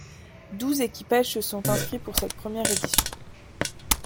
Douze équipages se sont inscrits pour cette première édition.